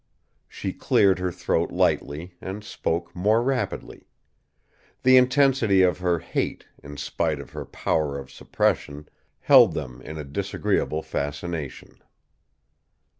She cleared her throat lightly, and spoke more rapidly. The intensity of her hate, in spite of her power of suppression, held them in a disagreeable fascination.